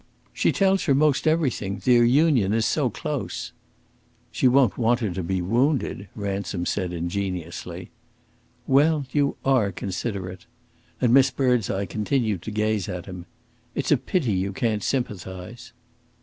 "She tells her most everything. Their union is so close." "She won't want her to be wounded," Ransom said ingeniously. "Well, you are considerate." And Miss Birdseye continued to gaze at him. "It's a pity you can't sympathise."